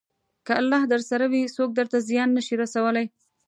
که الله درسره وي، څوک درته زیان نه شي رسولی.